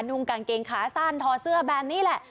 ่งกางเกงขาสั้นทอเสื้อแบบนี้แหละ